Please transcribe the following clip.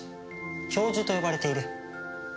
教授と呼ばれている。